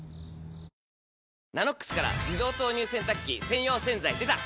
「ＮＡＮＯＸ」から自動投入洗濯機専用洗剤でた！